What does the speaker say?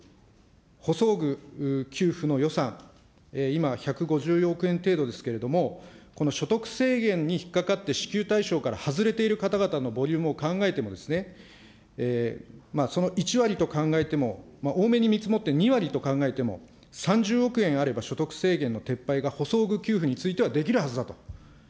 補装具給付の予算、今、１５０億円程度ですけれども、この所得制限に引っ掛かって支給対象から外れている方々のボリュームを考えてもですね、その１割と考えても、多めに見積もって２割と考えても、３０億円あれば、所得制限の撤廃が補装具給付についてはできるはずだと。